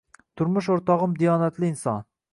Turmush o`rtog`im diyonatli inson